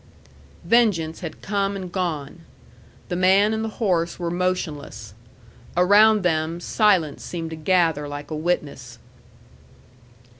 Vengeance had come and gone. The man and the horse were motionless. Around them, silence seemed to gather like a witness.